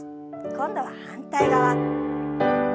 今度は反対側。